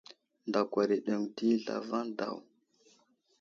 Ndakwar i aɗeŋw ɗi zlavaŋ daw.